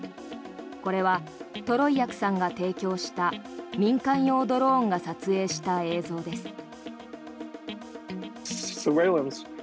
これはトロイアクさんが提供した民間用ドローンが撮影した映像です。